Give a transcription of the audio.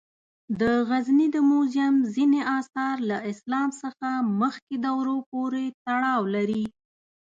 د غزني د موزیم ځینې آثار له اسلام څخه مخکې دورو پورې تړاو لري.